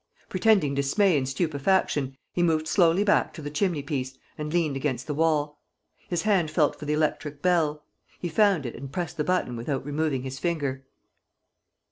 Pretending dismay and stupefaction, he moved slowly back to the chimneypiece and leant against the wall. His hand felt for the electric bell. He found it and pressed the button without removing his finger.